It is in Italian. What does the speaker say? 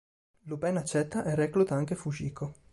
Lupin accetta e recluta anche Fujiko.